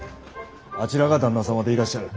あちらが旦那様でいらっしゃる？